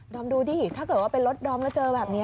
อมดูดิถ้าเกิดว่าเป็นรถดอมแล้วเจอแบบนี้